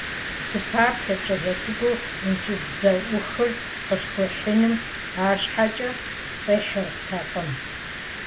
Сыпэплъэрт щӀалэ цӀыкӀум ӀункӀыбзэӀухыр къысхуихьыным, арщхьэкӀэ къихьыртэкъым.